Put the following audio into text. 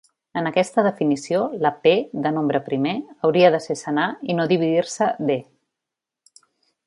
En aquesta definició, la "p" de nombre primer hauria de ser senar i no dividir-se "D".